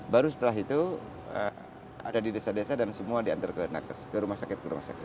baru setelah itu ada di desa desa dan semua diantar ke rumah sakit